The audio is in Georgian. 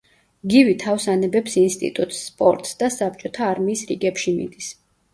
გივი თავს ანებებს ინსტიტუტს, სპორტს და საბჭოთა არმიის რიგებში მიდის.